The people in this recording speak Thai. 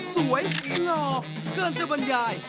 หล่อเกินจะบรรยาย